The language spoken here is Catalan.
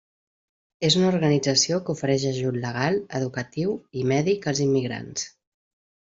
És una organització que ofereix ajut legal, educatiu i mèdic als immigrants.